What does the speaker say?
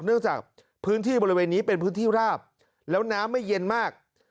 เนื่องจากพื้นที่บริเวณนี้เป็นพื้นที่ราบแล้วน้ำไม่เย็นมาก